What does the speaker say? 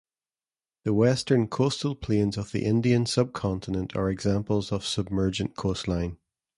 The Western Coastal Plains of the Indian subcontinent are examples of submergent coastline.